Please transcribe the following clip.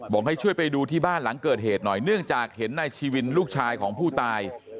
ให้ช่วยไปดูที่บ้านหลังเกิดเหตุหน่อยเนื่องจากเห็นนายชีวินลูกชายของผู้ตาย